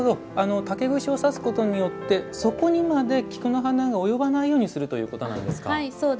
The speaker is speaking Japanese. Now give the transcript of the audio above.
竹串を挿すことによって底にまで菊の花が及ばないようにするということなんですか。